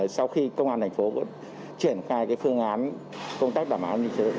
sau khi công an thành phố triển khai phương án công tác đảm bảo an ninh trật tự